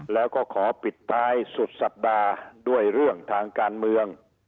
แล้วก็ขอปิดท้ายสุดสัปดาห์ด้วยเรื่องทางการเมือง